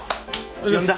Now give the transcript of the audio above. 呼んだ？